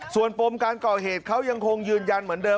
ส่วนปมการก่อเหตุเขายังคงยืนยันเหมือนเดิม